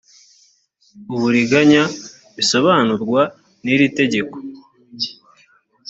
uburiganya bisobanurwa n iri tegeko